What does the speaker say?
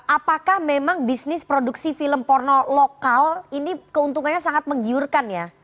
apakah memang bisnis produksi film porno lokal ini keuntungannya sangat menggiurkan ya